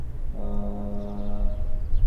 কলির সংসারে এও কি কখনো সম্ভব!